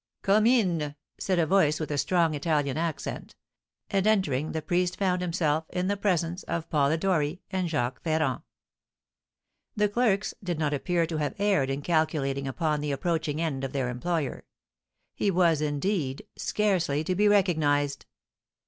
"Come in," said a voice with a strong Italian accent; and, entering, the priest found himself in the presence of Polidori and Jacques Ferrand. The clerks did not appear to have erred in calculating upon the approaching end of their employer. He was, indeed, scarcely to be recognised.